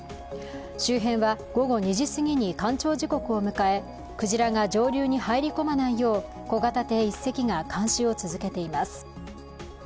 周辺は午後２時すぎに干潮時刻を迎え、クジラが上流に入り込まないよう小型艇１隻が監視を続けています。